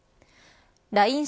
ＬＩＮＥ